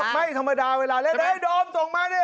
ไม่ธรรมดาเวลาให้โดมส่งมานี่